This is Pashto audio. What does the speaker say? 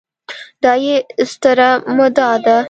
دا يې ستره مدعا ده